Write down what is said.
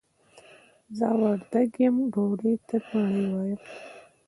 زه وردګ يم ډوډۍ ته مړۍ وايم.